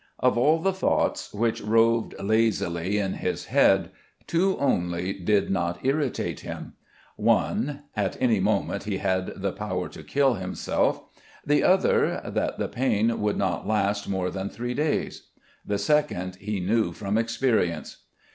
Of all the thoughts which roved lazily in his head, two only did not irritate him: one at any moment he had the power to kill himself, the other that the pain would not last more than three days. The second he knew from experience.